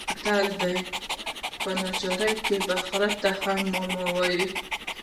متل دی: په ناچارۍ کې به خره ته هم ماما وايې.